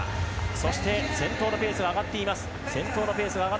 そして、先頭のペースが上がっています。